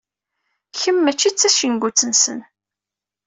Kemm mačči d tacengut-nsen.